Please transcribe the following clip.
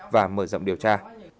và mở rộng điều tra